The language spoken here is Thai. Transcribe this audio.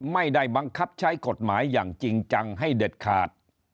ไม่ได้บังคับใช้กฎหมายอย่างจริงจังให้เด็ดขาด